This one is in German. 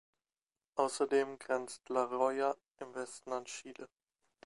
Außerdem grenzt La Rioja im Westen an Chile.